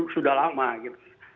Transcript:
sudah lama gitu